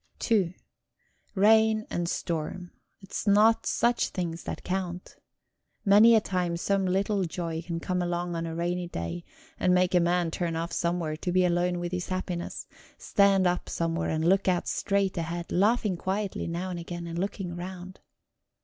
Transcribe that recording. II Rain and storm 'tis not such things that count. Many a time some little joy can come along on a rainy day, and make a man turn off somewhere to be alone with his happiness stand up somewhere and look out straight ahead, laughing quietly now and again, and looking round.